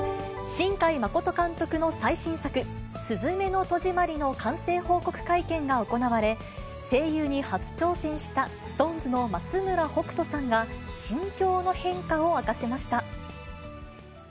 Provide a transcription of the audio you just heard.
新海誠監督の最新作、すずめの戸締まりの完成報告会見が行われ、声優に初挑戦したＳｉｘＴＯＮＥＳの松村北斗さんが、心境の変化を明かしました。